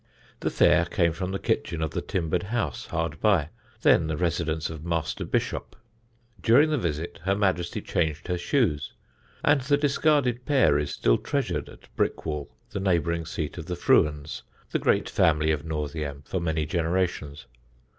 The fare came from the kitchen of the timbered house hard by, then the residence of Master Bishopp. During the visit her Majesty changed her shoes, and the discarded pair is still treasured at Brickwall, the neighbouring seat of the Frewens, the great family of Northiam for many generations.